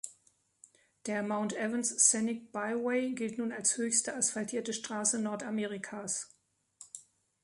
Der Mount Evans Scenic Byway gilt nun als höchste asphaltierte Straße Nordamerikas.